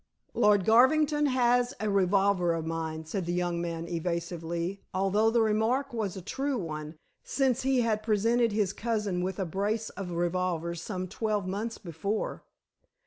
"Lord Garvington has a revolver of mine," said the young man evasively, although the remark was a true one, since he had presented his cousin with a brace of revolvers some twelve months before.